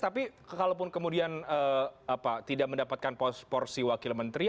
tapi kalau pun kemudian tidak mendapatkan porsi wakil menteri